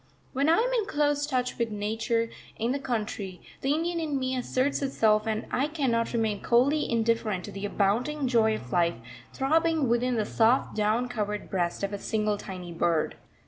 When I am in close touch with Nature in the country, the Indian in me asserts itself and I cannot remain coldly indifferent to the abounding joy of life throbbing within the soft down covered breast of a single tiny bird.